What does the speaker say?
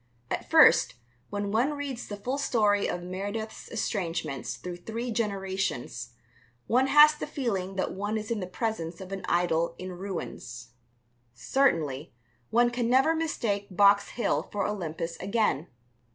At first, when one reads the full story of Meredith's estrangements through three generations, one has the feeling that one is in the presence of an idol in ruins. Certainly, one can never mistake Box Hill for Olympus again.